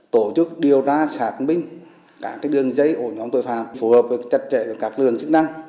tổ chức điều ra xác minh các đường dây của nhóm tội phạm phù hợp với chất trẻ và các lường chức năng